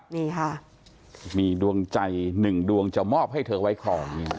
นี่ค่ะมีดวงใจหนึ่งดวงจะมอบให้เธอไว้ครอง